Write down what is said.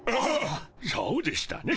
そうでしたね。